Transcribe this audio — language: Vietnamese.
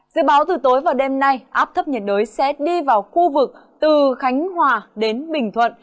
dự báo từ tối và đêm nay áp thấp nhiệt đới sẽ đi vào khu vực từ khánh hòa đến bình thuận